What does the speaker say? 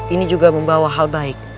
ini juga membawa hal baik